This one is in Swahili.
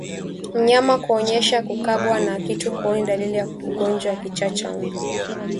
Mnyama kuonyesha kukabwa na kitu kooni ni dalili ya ugonjwa wa kichaa cha mbwa